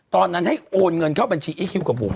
ตอนนั้นให้โอนเงินเข้าบัญชีอีคิวกับบุ๋ม